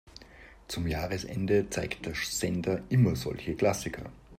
Zum Jahresende zeigt der Sender immer solche Klassiker.